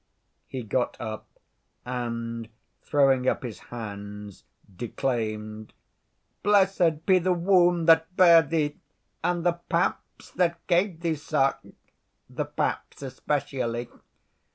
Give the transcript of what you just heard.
He got up, and throwing up his hands, declaimed, "Blessed be the womb that bare thee, and the paps that gave thee suck—the paps especially.